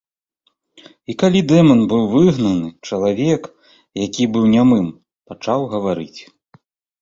І калі дэман быў выгнаны, чалавек, які быў нямым пачаў гаварыць.